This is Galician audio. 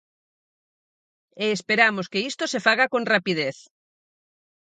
E esperamos que isto se faga con rapidez.